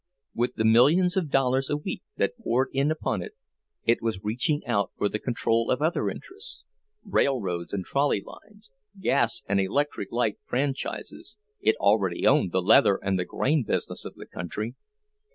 With the millions of dollars a week that poured in upon it, it was reaching out for the control of other interests, railroads and trolley lines, gas and electric light franchises—it already owned the leather and the grain business of the country.